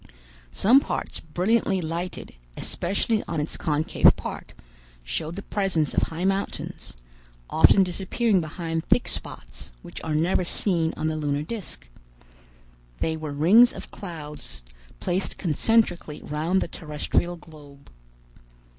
Some parts brilliantly lighted, especially on its concave part, showed the presence of high mountains, often disappearing behind thick spots, which are never seen on the lunar disc. They were rings of clouds placed concentrically round the terrestrial globe.